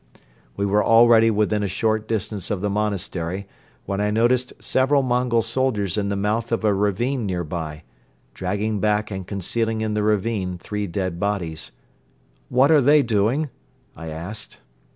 We were already within a short distance of the monastery, when I noticed several Mongol soldiers in the mouth of a ravine nearby, dragging back and concealing in the ravine three dead bodies. "What are they doing?" I asked.